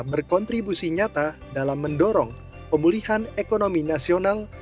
berkontribusi nyata dalam mendorong pemulihan ekonomi nasional